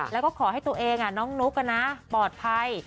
แล้วก็ขอให้ตัวเองน้องนุ๊กปลอดภัย